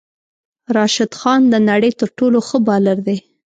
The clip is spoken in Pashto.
راشد خان د نړی تر ټولو ښه بالر دی